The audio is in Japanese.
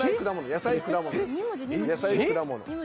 野菜・果物。